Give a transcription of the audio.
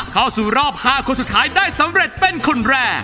เข้าสู่รอบ๕คนสุดท้ายได้สำเร็จเป็นคนแรก